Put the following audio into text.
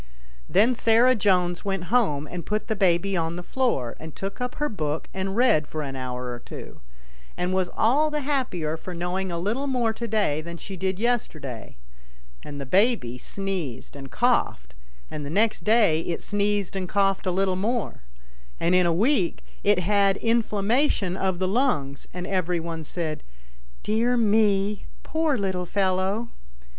Then Sarah Jones went home and put the baby on the floor, and took up her book and read for an hour or two, and was all the happier for knowing a little more to day than she did yesterday, and the baby sneezed and coughed, and the next day it sneezed and coughed a little more, and in a week it had inflammation of the lungs, and every one said, " Dear me ! poor little fellow